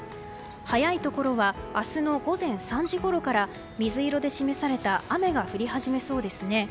早いところは明日の午前３時ごろから水色で示された雨が降り始めそうですね。